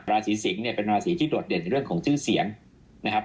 ราศีสิงศ์เนี่ยเป็นราศีที่โดดเด่นเรื่องของชื่อเสียงนะครับ